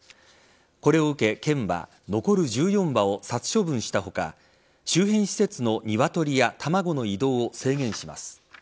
これを受け県は残る１４羽を殺処分した他周辺施設のニワトリや卵の移動を制限します。